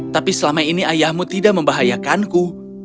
tapi selama ini ayahmu tidak membahayakanku